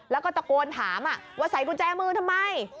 แล้วก็ตะโกนถามว่าใส่กุญแจมือทำไม